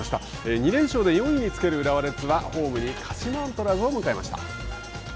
２連勝で４位につける浦和レッズはホームに鹿島アントラーズを迎えました。